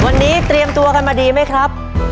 วันนี้เตรียมตัวกันมาดีไหมครับ